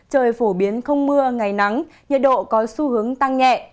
trời phổ biến không mưa ngày nắng nhiệt độ có xu hướng tăng nhẹ